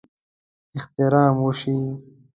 احترام وشي.